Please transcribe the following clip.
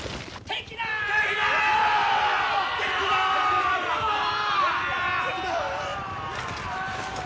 敵だ！